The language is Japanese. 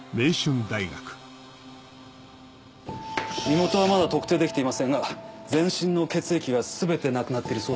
Ｔｈａｎｋｙｏｕ．身元はまだ特定できていませんが全身の血液が全てなくなっているそうです。